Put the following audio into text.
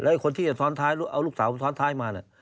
และไอ้คนที่เอาลูกสาวท้อนท้ายมาเนี่ย